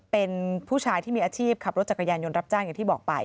เป็นผู้ชายที่มีอาชีพขับรถจักรยานยนต์รับจ้างอย่างที่บอกไป